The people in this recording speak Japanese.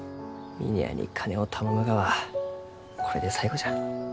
峰屋に金を頼むがはこれで最後じゃ。